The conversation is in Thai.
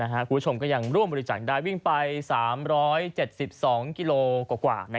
คุณผู้ชมก็ยังร่วมบริจาคได้วิ่งไป๓๗๒กิโลกว่า